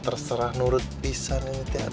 terserah nurut bisa nih